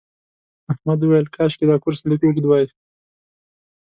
احمد وویل کاشکې دا کورس لږ اوږد وای.